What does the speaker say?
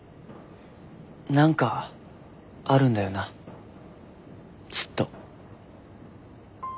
何かあるんだよなずっと。